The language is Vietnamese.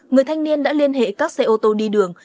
người thanh niên đã liên hệ các xe ô tô đi đường